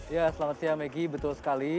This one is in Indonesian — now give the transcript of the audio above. ya selamat siang maggie betul sekali